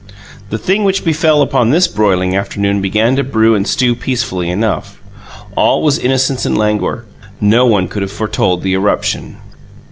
The thing which befell upon this broiling afternoon began to brew and stew peacefully enough. All was innocence and languor; no one could have foretold the eruption.